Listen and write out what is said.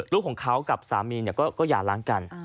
ลูกของเขากับสามีเนี่ยก็หย่าร้างกัน